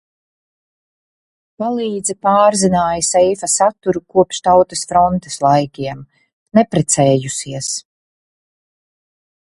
Palīdze pārzināja seifa saturu kopš Tautas frontes laikiem. Neprecējusies.